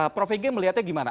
prof ege melihatnya gimana